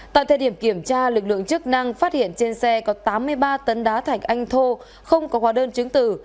tại thời điểm kiểm tra lực lượng chức năng phát hiện trên xe có tám mươi ba tấn đá thạch anh thô không có hóa đơn chứng tử